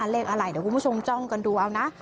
เลขอะไรเดี๋ยวคุณผู้ชมจ้องกันดูเอานะ